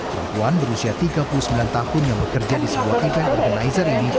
perempuan berusia tiga puluh sembilan tahun yang bekerja di sebuah event organizer ini